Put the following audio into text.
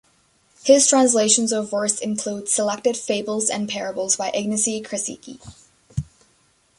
His translations of verse include selected "Fables and Parables" by Ignacy Krasicki.